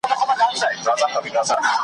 د پردي ملا په خوله به خلک نه سي غولېدلای .